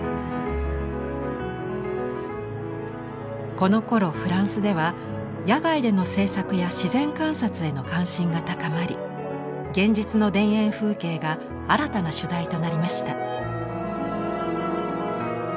このころフランスでは野外での制作や自然観察への関心が高まり現実の田園風景が新たな主題となりました。